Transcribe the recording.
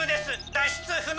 脱出不能。